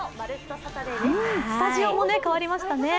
スタジオも変わりましたね。